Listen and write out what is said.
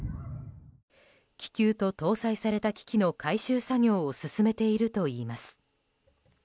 気球と、搭載された機器の回収作業を進めているといいます。